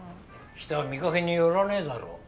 人は見かけによらねえだろ。